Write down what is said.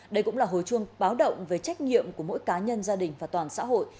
đây cũng là hồi chuông báo động về trách nhiệm của mỗi cá nhân gia đình và toàn xã hội